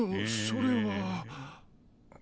それは。